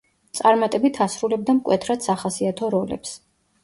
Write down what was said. წარმატებით ასრულებდა მკვეთრად სახასიათო როლებს.